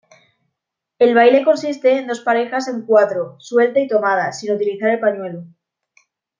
El baile consiste en dos parejas en cuatro, suelta y tomada, sin utilizar pañuelo.